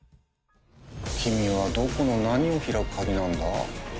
君はどこの何を開く鍵なんだ？